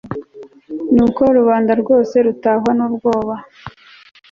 nuko rubanda rwose rutahwa n'ubwoba